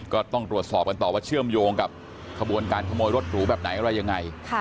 ก็ต้องตรวจสอบกันต่อว่าเชื่อมโยงกับขบวนการขโมยรถหรูแบบไหนอะไรยังไง